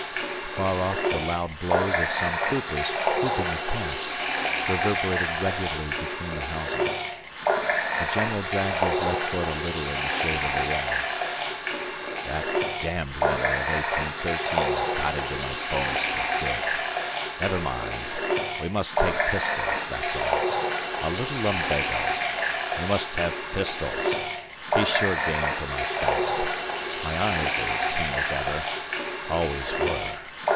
Far off the loud blows of some coopers hooping a cask, reverberated regularly between the houses. The general dragged his left foot a little in the shade of the walls. "That damned winter of 1813 got into my bones for good. Never mind. We must take pistols, that's all. A little lumbago. We must have pistols. He's sure game for my bag. My eyes are as keen as ever. Always were.